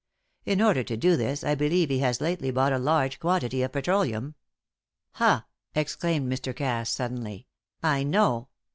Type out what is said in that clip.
In order to do this, I believe he has lately bought a large quantity of petroleum. "Ha!" exclaimed Mr. Cass, suddenly, "I know.